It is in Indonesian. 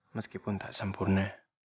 meskipun tak sempurna